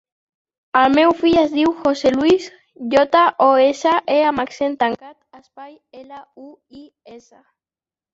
El meu fill es diu José luis: jota, o, essa, e amb accent tancat, espai, ela, u, i, essa.